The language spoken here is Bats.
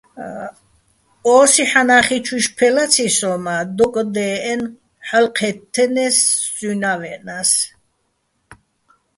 ოსი ჰ̦ანახიჩუჲშვ ფე ლაცი სოჼ, მა დოკ დეჸენო̆, ჰ̦ალო ჴეთთენო̆ სუჲნი̆ ვეჸნას.